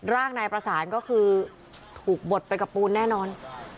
ร่างนายประสานก็คือถูกบดไปกับปูนแน่นอน